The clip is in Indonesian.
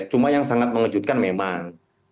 cuma yang sangat mengejutkan memang